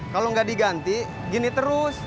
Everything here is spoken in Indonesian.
kalau nggak diganti gini terus